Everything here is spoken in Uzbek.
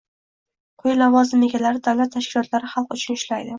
Quyi lavozim egalari davlat tashkilotlari xalq uchun ishlaydi